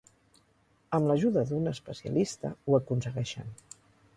Amb l'ajuda d'un especialista, ho aconsegueixen.